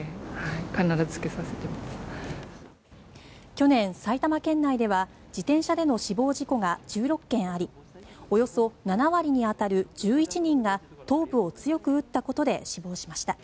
去年、埼玉県内では自転車での死亡事故が１６件ありおよそ７割に当たる１１人が頭部を強く打ったことで死亡しました。